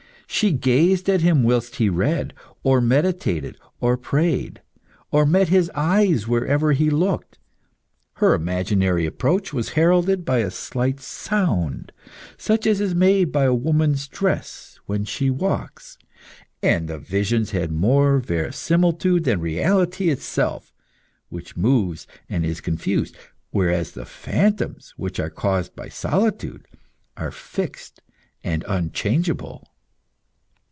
She gazed at him whilst he read, or meditated, or prayed, or met his eyes wherever he looked. Her imaginary approach was heralded by a slight sound, such as is made by a woman's dress when she walks, and the visions had more verisimilitude than reality itself, which moves and is confused, whereas the phantoms which are caused by solitude are fixed and unchangeable.